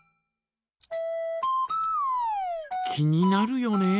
気になるよね。